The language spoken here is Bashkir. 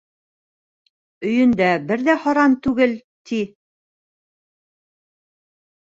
Өйөндә бер ҙә һаран түгел, ти.